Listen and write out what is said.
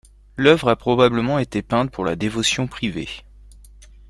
L'œuvre a probablement été peinte pour la dévotion privée.